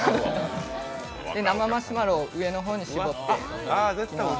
生マシュマロを上の方に絞って。